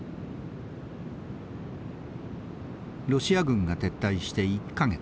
ロシア軍が撤退して１か月。